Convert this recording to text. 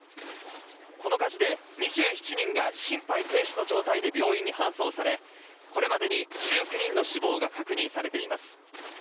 この火事で２７人が心肺停止の状態で病院に搬送され、これまでに１９人の死亡が確認されています。